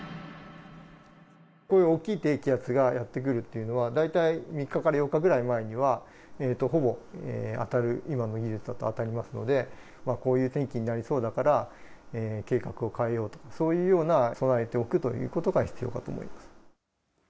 こういう大きい低気圧がやって来るっていうのは、大体３日から４日ぐらい前には、ほぼ当たる、今の技術だと当たりますので、こういう天気になりそうだから計画を変えようとか、そういうような備えておくということが必要だと思います。